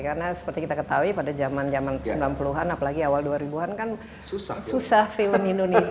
karena seperti kita ketahui pada zaman zaman sembilan puluh an apalagi awal dua ribu an kan susah film indonesia